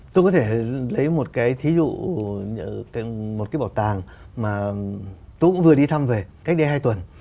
tôi có thể lấy một cái thí dụ một cái bảo tàng mà tôi cũng vừa đi thăm về cách đây hai tuần